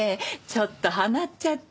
ちょっとはまっちゃって。